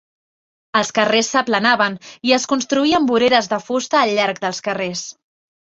Els carrers s'aplanaven i es construïen voreres de fusta al llarg dels carrers.